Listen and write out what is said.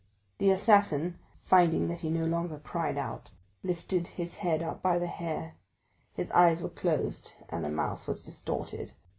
The assassin, finding that he no longer cried out, lifted his head up by the hair; his eyes were closed, and the mouth was distorted.